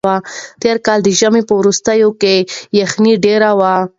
تېر کال د ژمي په وروستۍ برخه کې یخنۍ ډېره وه.